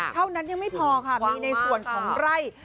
เท่านั้นยังไม่พอค่ะมีในส่วนของไร่